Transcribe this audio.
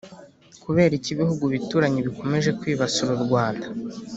Kubera iki ibihugu bituranyi bikomeje kwibasira u Rwanda